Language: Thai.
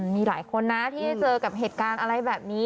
มีหลายคนนะที่ได้เจอกับเหตุการณ์อะไรแบบนี้